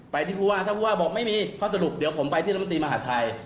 ไปที่ครูว่าถ้าครูว่าบอกไม่มีเพราะสรุปเดี๋ยวผมไปที่รมนตรีมหาธัย